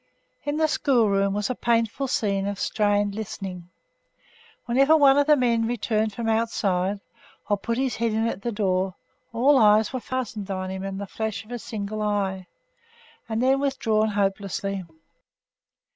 In the schoolroom was a painful scene of strained listening. Whenever one of the men returned from outside, or put his head in at the door, all eyes were fastened on him in the flash of a single eye, and then withdrawn hopelessly.